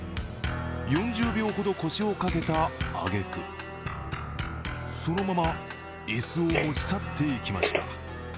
４０秒ほど腰を掛けたあげくそのまま椅子を持ち去っていきました。